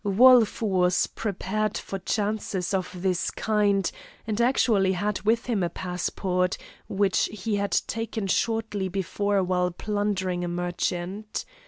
Wolf was prepared for chances of this kind, and actually had with him a passport, which he had taken shortly before while plundering a merchant.